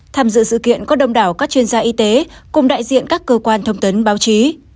tham dự sự kiện có đông đảo các chuyên gia y tế cùng đại diện các cơ quan thông tấn báo chí